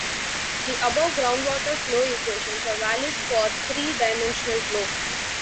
The above groundwater flow equations are valid for three dimensional flow.